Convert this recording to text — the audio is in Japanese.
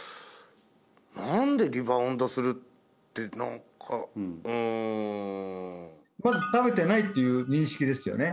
何でリバウンドするって何かうんまず食べてないっていう認識ですよね？